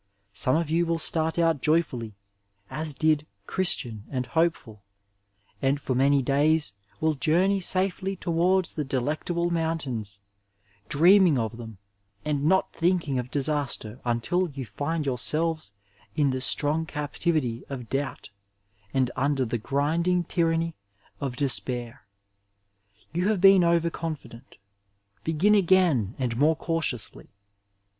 Some of you wiU start out joyfully as did Christian and Hopeful, and for many days will journey safely towards the Delectable Mountains, dreaming of them and not thinking of disaster until you find yourselves in the strong captivity of Doubt and under the grinding tjnranny of Despair. You have been over confident. Begin again and more cautiously.